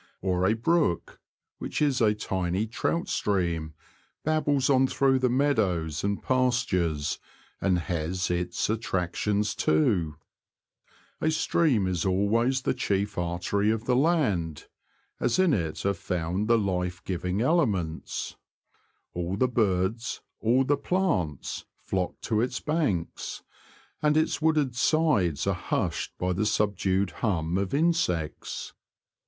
Or a brook, which is a tiny trout stream, babbles on through the meadows and \ pastures, and has its attractions too. A stream \ B3 ; lo The Confessions of a Poacher. is always the chief artery of the land, as in it are found the life giving elements. All the birds, all the plants, flock to its banks, and its wooded sides are hushed by the subdued hum of insects.